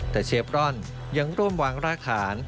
แต่เชฟร่อนยังร่วมวางรากฐาน